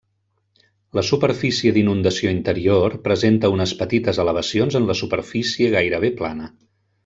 La superfície d'inundació interior presenta unes petites elevacions en la superfície gairebé plana.